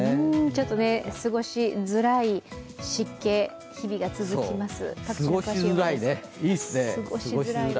ちょっと過ごしづらい湿気、日々が続きます。